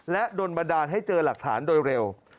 และโดนบันดาลให้เจอหลักฐานโดยเร็ว